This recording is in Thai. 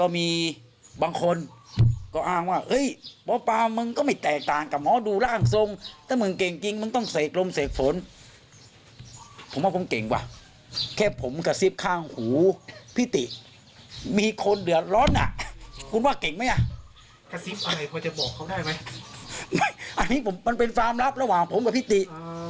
มันเป็นความลับระหว่างผมกับพิธี